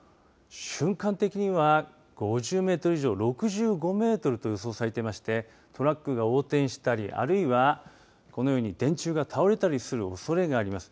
瞬間的には５０メートル以上６５メートルと予想されていましてトラックが横転したり、あるいはこのように電柱が倒れたりするおそれがあります。